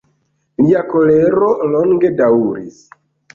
Lia kolero longe daŭris.